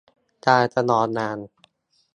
การชะลองาน